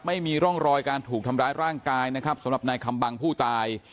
ไม่มีร่องรอยการถูกทำร้ายร่างกายนะครับสำหรับนายคำบังผู้ตาย